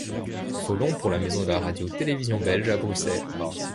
Folon, pour la Maison de la Radio Télévision Belge à Bruxelles.